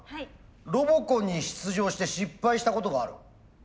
ロボコンに出場して失敗したことがある？